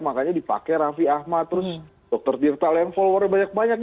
makanya dipakai raffi ahmad terus dr tirtale yang followernya banyak banyak